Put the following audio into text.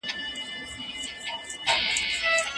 زړورتیا د وېرې خپرولو په پرتله ډېري زیاتې مثبتې پایلې لري.